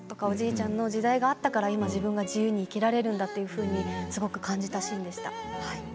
おじいちゃんの時代があったから自分が自由に生きられるんだってすごく感じたシーンでした。